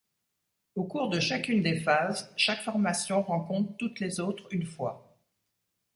Au cours de chacune des phases, chaque formation rencontre toutes les autres une fois.